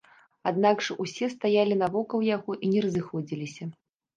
Аднак жа ўсе стаялі навокал яго і не разыходзіліся.